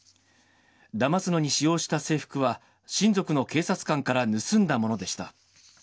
だますのに使用した制服は、親族の警察官から盗んだものでした。